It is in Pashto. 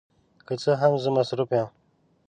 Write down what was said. که څه هم، زه مصروف یم.